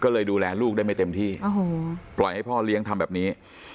ก็เลยดูแลลูกได้ไม่เต็มที่ปล่อยให้พ่อเลี้ยงทำแบบนี้